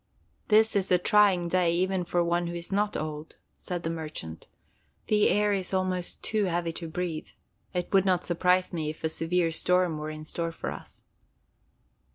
"This is a trying day, even for one who is not old," said the merchant. "The air is almost too heavy to breathe. It would not surprise me if a severe storm were in store for us."